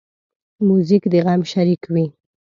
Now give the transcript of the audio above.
موزیک د غم شریک وي.